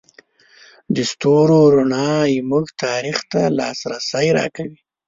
د ستورو رڼا زموږ تاریخ ته لاسرسی راکوي.